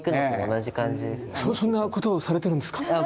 そんなことをされてるんですか？